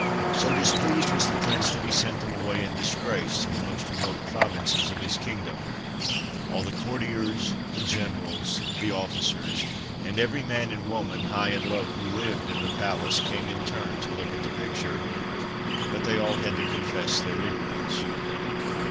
So displeased was the prince that he sent them away in disgrace to the most remote provinces of his kingdom. All the courtiers, the generals, the officers, and every man and woman, high and low, who lived in the palace came in turn to look at the picture. But they all had to confess their ignorance.